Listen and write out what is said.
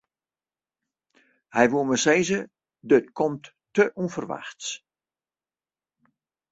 Hy woe mar sizze: dit komt te ûnferwachts.